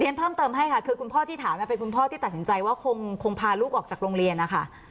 เพิ่มเติมให้ค่ะคือคุณพ่อที่ถามเป็นคุณพ่อที่ตัดสินใจว่าคงพาลูกออกจากโรงเรียนนะคะ